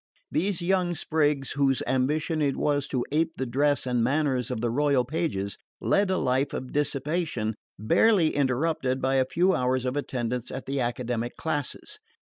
These young sprigs, whose ambition it was to ape the dress and manners of the royal pages, led a life of dissipation barely interrupted by a few hours of attendance at the academic classes.